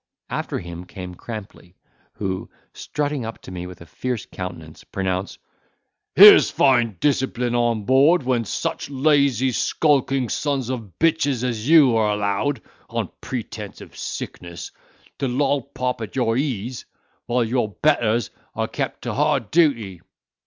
After him came Crampley, who, strutting up to me with a fierce countenance, pronounced, "Here's fine discipline on board, when such lazy, skulking sons of bitches as you are allowed, on pretence of sickness, to lollop at your ease, while your betters are kept to hard duty!"